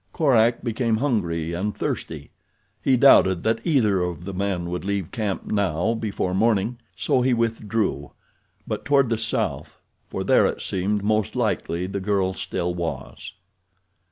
Korak became hungry and thirsty. He doubted that either of the men would leave camp now before morning, so he withdrew, but toward the south, for there it seemed most likely the girl still was.